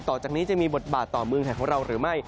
ต่อจากนี้จะมีบทบาทต่อเมืองไทยของเราหรือไม่